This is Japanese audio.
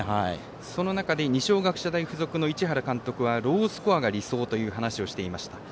その中で二松学舎大付属の市原監督はロースコアが理想という話をしていました。